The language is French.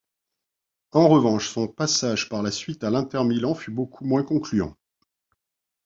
En revanche, son passage par la suite à l'Inter Milan fut beaucoup moins concluant.